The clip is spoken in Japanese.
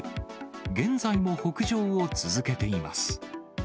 現在も北上を続けています。